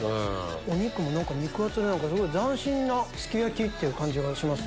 お肉も肉厚で斬新なすき焼きって感じがします。